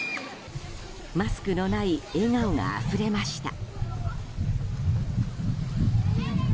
マスクのない笑顔があふれました。